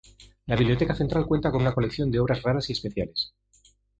La Biblioteca Central cuenta con una colección de obras raras y especiales.